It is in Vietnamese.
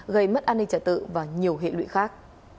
gây mất an ninh trả tự và nhiều hệ lụy khác